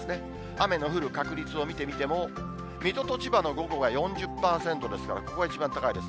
雨の降る確率を見てみても、水戸と千葉の午後は４０％ですから、ここが一番高いです。